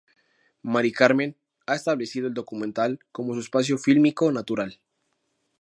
Maricarmen ha establecido el documental como su espacio fílmico natural.